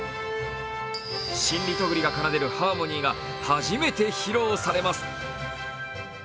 新リトグリが奏でるハーモニーが初めて披露されます。